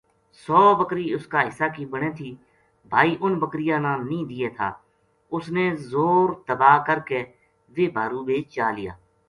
سو بکری اس کا حصا کی بنے تھی بھائی اُنھ بکریاں نا نیہہ دیے تھا اُس نے زور دَبا کر کے ویہ بھارُو بے چا لیا